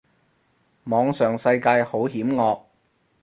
網上世界好險惡